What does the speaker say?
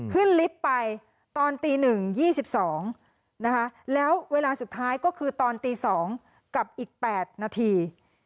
ขึ้นลิฟต์ไปตอนตีหนึ่งยี่สิบสองนะคะแล้วเวลาสุดท้ายก็คือตอนตีสองกลับอีกแปดนาที